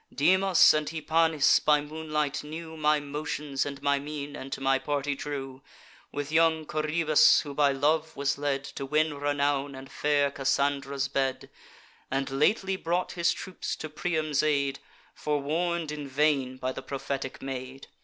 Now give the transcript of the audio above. Dymas and Hypanis by moonlight knew My motions and my mien, and to my party drew; With young Coroebus, who by love was led To win renown and fair Cassandra's bed, And lately brought his troops to Priam's aid, Forewarn'd in vain by the prophetic maid.